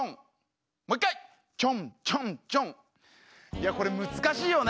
いやこれむずかしいよね。